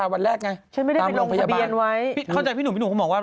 อะเสียหนู